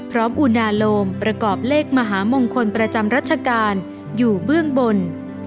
อุณาโลมประกอบเลขมหามงคลประจำรัชกาลอยู่เบื้องบน